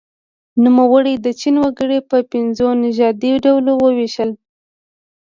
نوموړي د چین وګړي په پنځو نژادي ډلو وویشل.